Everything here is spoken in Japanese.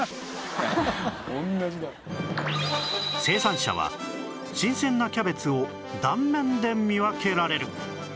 生産者は新鮮なキャベツを断面で見分けられる！